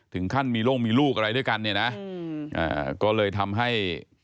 ถึงขั้นมีโรคมีลูกอะไรด้วยกันเนี่ยนะก็เลยทำให้